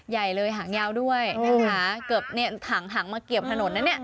ใหญ่เลยหางย้าวด้วยเกือบหางมาเกียบถนนนะเนี่ย